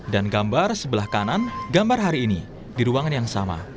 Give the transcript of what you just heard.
dan gambar sebelah kanan gambar hari ini di ruangan yang sama